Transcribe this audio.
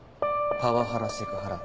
パワハラセクハラ